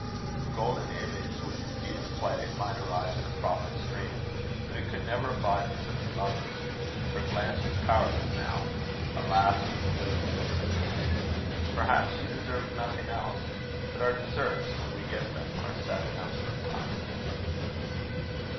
The golden image with the feet of clay might arise in a prophet's dream, but it could never abide in such a lover's. Her glance was powerless now. Alas, for the withering of such a dream! Perhaps she deserved nothing else; but our deserts, when we get them, are sad enough sometimes.